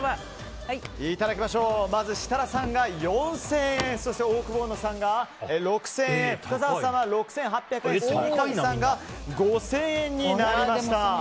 まず設楽さんが４０００円そしてオオクボーノさんが６０００円深澤さんは６８００円三上さんが５０００円になりました。